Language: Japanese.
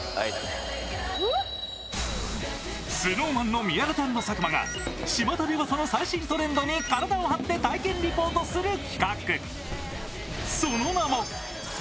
ＳｎｏｗＭａｎの宮舘＆佐久間がちまたでうわさの最新トレンドに体を張って体験リポートする企画。